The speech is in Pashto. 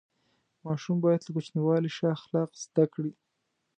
ماشوم باید له کوچنیوالي ښه اخلاق زده کړي.